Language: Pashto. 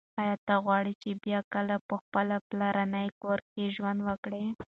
ایا ته غواړي چې بیا کله په خپل پلرني کور کې ژوند وکړې؟